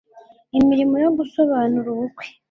imirimo yo gusobanura ubukwe